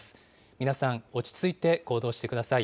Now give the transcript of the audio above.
皆さん、落ち着いて行動してください。